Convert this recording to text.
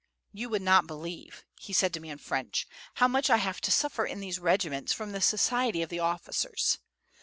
"You would not believe," said he to me in French, "how much I have to suffer in these regiments from the society of the officers.